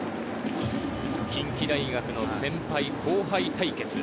近畿大学の先輩・後輩対決。